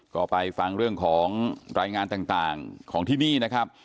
ก็ไปฟังเรื่องของรายงานต่างของที่นี่นะครับ